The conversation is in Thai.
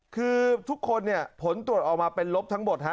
คือทุกคนเนี่ยผลตรวจออกมาเป็นลบทั้งหมดฮะ